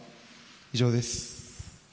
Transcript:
以上です。